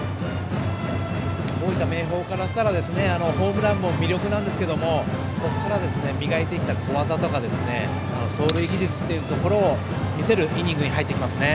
大分・明豊からしたらホームランも魅力なんですけどもここから磨いてきた小技とか走塁技術を見せるイニングに入ってきますね。